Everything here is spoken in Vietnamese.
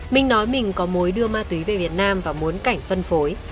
minh nói mình có mối đưa ma túy về việt nam và muốn cảnh phân phối